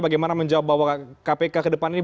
bagaimana menjawab bahwa kpk ke depan ini